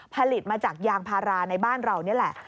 ผลิตมาจากยางพาราในบ้านเรานี่แหละ